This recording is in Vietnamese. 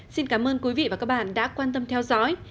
xin cảm ơn quý vị và các bạn đã quan tâm theo dõi